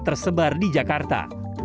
tersebar di jakarta